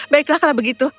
baiklah kalau begitu